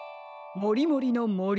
もりもりのもり。